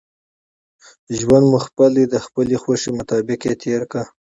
ژوند مو خپل دئ، د خپلي خوښي مطابق ئې تېر که!